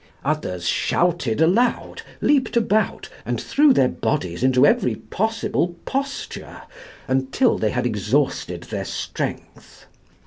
Others shouted aloud, leaped about, and threw their bodies into every possible posture, until they had exhausted their strength.